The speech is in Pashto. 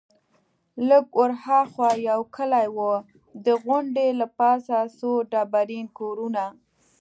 لږ ورهاخوا یو کلی وو، د غونډۍ له پاسه څو ډبرین کورونه.